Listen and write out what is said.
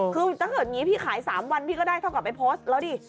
คือถ้าเกิดอย่างนี้พี่ขาย๓วันพี่ก็ได้เท่ากับไปโพสต์แล้วดิ